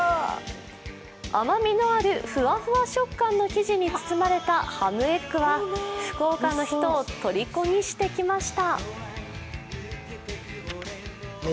甘みのあるふわふわ食感の生地に包まれたハムエッグは福岡の人をとりこにしてきました。